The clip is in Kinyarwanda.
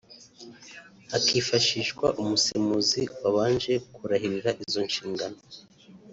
hakifashishwa umusemuzi wabanje kurahirira izo nshingano